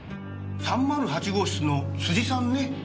３０８号室の辻さんね。